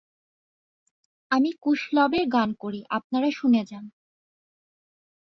আমি কুশলবের গান করি, আপনারা শুনে যান।